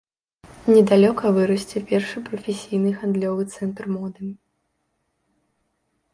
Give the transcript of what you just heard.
Недалёка вырасце першы прафесійны гандлёвы цэнтр моды.